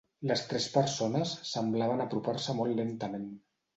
Les tres persones semblaven apropar-se molt lentament.